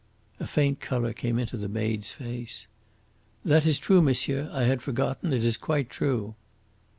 A faint colour came into the maid's face. "That is true, monsieur. I had forgotten. It is quite true."